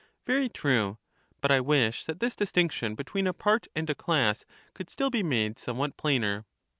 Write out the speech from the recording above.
Very true ; but I wish that this distinction between a part and a class could still be made somewhat plainer.